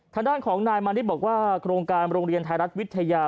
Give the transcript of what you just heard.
ทางด้านของนายมานิดบอกว่าโครงการโรงเรียนไทยรัฐวิทยา